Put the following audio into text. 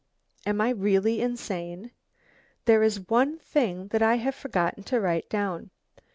Am I really insane? There is one thing that I have forgotten to write down.